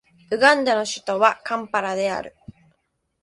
ウガンダの首都はカンパラである